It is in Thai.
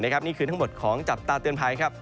นี่คือทั้งหมดของจับตาเตือนภัยครับ